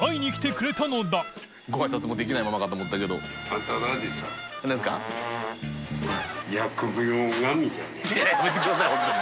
いやいややめてください本当に。